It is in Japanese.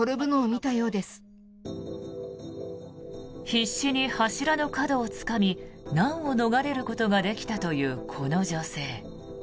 必死に柱の角をつかみ難を逃れることができたというこの女性。